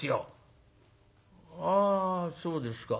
「ああそうですか。